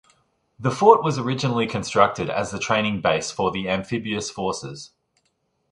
The fort was originally constructed as the training base for the amphibious forces.